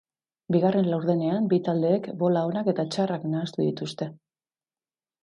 Bigarren laudenean bi taldeek bola onak eta txarrak nahastu dituzte.